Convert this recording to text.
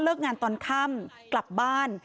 เลิกงานตอนค้ำกลับบ้าน